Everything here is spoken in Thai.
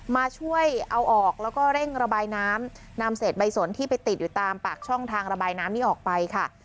มาช่วยเอาออกแล้วก็เร่งระบายน้ำนำเศษใบสนที่ไปติดอยู่ตามปากช่องทางระบายน้ำนี้ออกไปค่ะ